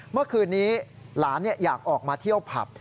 เมื่อคืนนี้หลานอยากออกมาเที่ยวผับ